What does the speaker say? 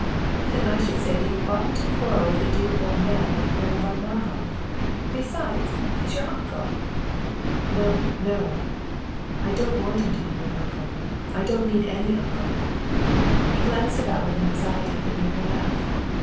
"Then I should say that you oughtn't to quarrel with a dear old man like Baron von Marhof. Besides, he's your uncle." "No! No! I don't want him to be my uncle! I don't need any uncle!" He glanced about with an anxiety that made her laugh.